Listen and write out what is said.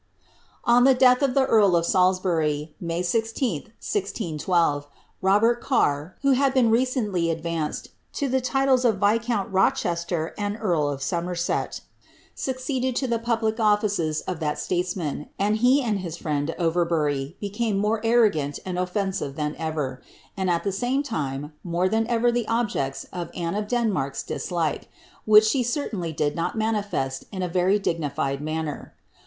On the death of the earl of Salisbury, May 16, 1612, Robert Carr, who had been recently advanced to the titles of viscount Rochester and earl of Somerset, succeeded to the public offices of that statesman, and he and his friend Overbury become more arrogant and ofleosive than ever, and, at the same time, more than ever the objects of Anne of Den mark's dislike, which she certainly did not manifest in a very dignified manner.